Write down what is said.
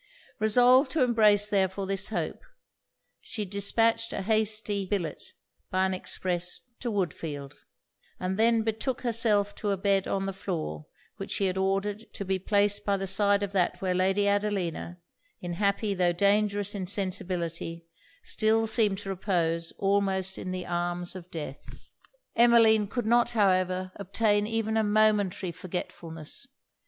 Resolved to embrace therefore this hope, she dispatched an hasty billet by an express to Woodfield; and then betook herself to a bed on the floor, which she had ordered to be placed by the side of that where Lady Adelina, in happy tho' dangerous insensibility, still seemed to repose almost in the arms of death. Emmeline could not, however, obtain even a momentary forgetfulness.